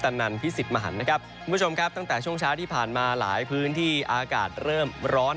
นันพิสิทธิ์มหันนะครับคุณผู้ชมครับตั้งแต่ช่วงเช้าที่ผ่านมาหลายพื้นที่อากาศเริ่มร้อน